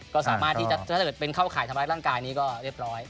ก็สามารถที่ถ้าเกิดเป็นเข้าข่ายทำร้ายร่างกายนี้ก็เรียบร้อย